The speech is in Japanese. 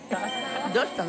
どうしたの？